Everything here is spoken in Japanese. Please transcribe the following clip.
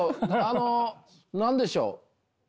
あの何でしょう？